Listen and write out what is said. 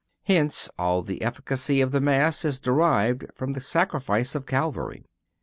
Hence, all the efficacy of the Mass is derived from the sacrifice of Calvary.